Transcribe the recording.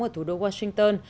ở thủ đô washington